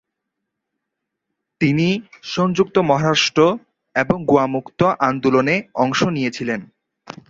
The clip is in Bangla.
তিনি সংযুক্ত মহারাষ্ট্র এবং গোয়া মুক্তি আন্দোলনে অংশ নিয়েছিলেন।